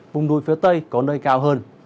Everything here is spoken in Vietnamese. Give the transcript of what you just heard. vùng núi phía tây có nơi cao hơn